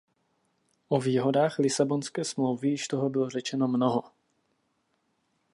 O výhodách Lisabonské smlouvy již toho bylo řečeno mnoho.